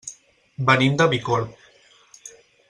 Venim de Bicorb.